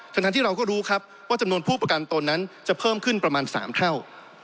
ทั้งที่เราก็รู้ครับว่าจำนวนผู้ประกันตนนั้นจะเพิ่มขึ้นประมาณ๓เท่า